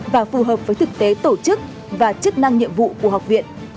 và phù hợp với thực tế tổ chức và chức năng nhiệm vụ của học viện